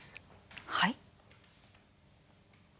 はい？